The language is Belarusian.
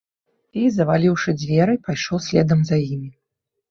І, заваліўшы дзверы, пайшоў следам за імі.